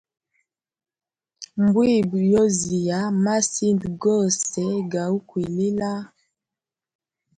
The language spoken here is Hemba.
Mbwimbwi yoziya masinda gose ga ukwilila.